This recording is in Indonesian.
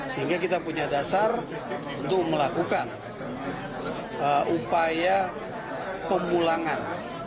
sehingga kita punya dasar untuk melakukan upaya pemulangan